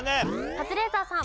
カズレーザーさん。